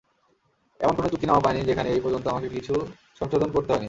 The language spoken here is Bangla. এমন কোনও চুক্তিনামা পাইনি যেখানে এই পর্যন্ত আমাকে কিছু সংশোধন করতে হয়নি।